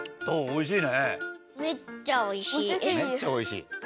おいしい。